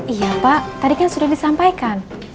iya pak tadi kan sudah disampaikan